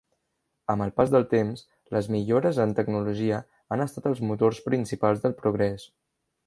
Amb el pas del temps, les millores en tecnologia han estat els motors principals del progrés.